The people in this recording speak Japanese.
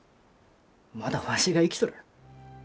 まだわしが生きとる。